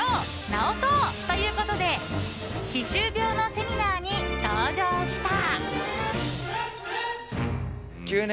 治そう！ということで歯周病のセミナーに登場した。